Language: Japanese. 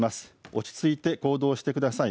落ち着いて行動してください。